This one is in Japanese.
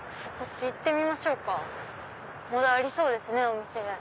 こっち行ってみましょうかまだありそうですねお店。